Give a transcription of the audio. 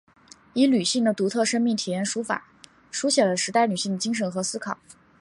以女性的独特生命经验书法抒写了时代女性的精神和思考。